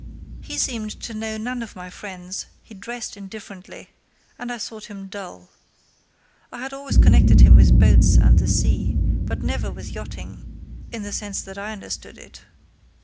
He seemed to know none of my friends, he dressed indifferently, and I thought him dull. I had always connected him with boats and the sea, but never with yachting, in the sense that I understood it.